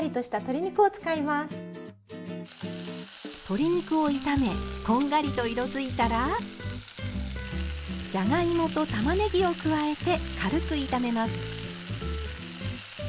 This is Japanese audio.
鶏肉を炒めこんがりと色づいたらじゃがいもとたまねぎを加えて軽く炒めます。